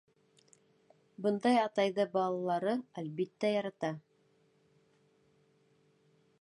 Бындай атайҙы балалары, әлбиттә, ярата.